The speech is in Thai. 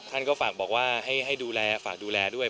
ท่านก็ฝากบอกว่าให้ดูแลฝากดูแลด้วย